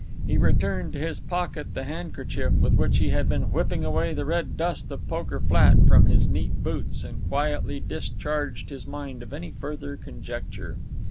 He returned to his pocket the handkerchief with which he had been whipping away the red dust of Poker Flat from his neat boots, and quietly discharged his mind of any further conjecture.